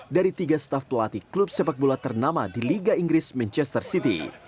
dari tiga staff pelatih klub sepak bola ternama di liga inggris manchester city